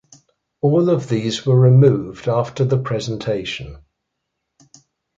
All of these were removed after the presentation.